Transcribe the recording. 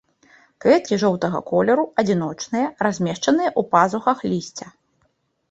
Кветкі жоўтага колеру, адзіночныя, размешчаныя ў пазухах лісця.